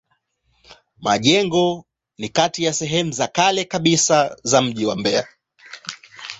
Majengo ni kati ya sehemu za kale kabisa za mji wa Mbeya.